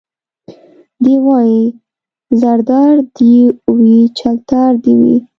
دی وايي زردار دي وي چلتار دي وي